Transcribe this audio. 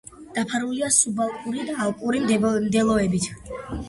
დაფარულია სუბალპური და ალპური მდელოებით.